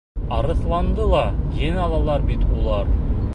Арыҫланды ла еңә алалар бит улар!